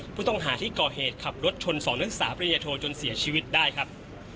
ผู้ต้องหาที่ก่อเหตุขับรถชน๒นักศึกษาปริญญโทจนเสียชีวิตได้ครับ